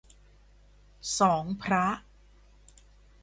สองพระ